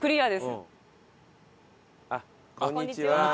こんにちは。